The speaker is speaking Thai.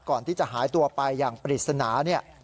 ก่อนที่จะหายตัวไปอย่างปริศนาเนี่ย